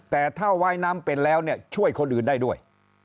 แต่ถ้าว่ายน้ำเป็นแล้วเนี่ยช่วยคนอื่นได้ด้วย